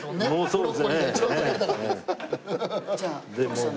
ブロッコリーが一番描かれたかったやつ。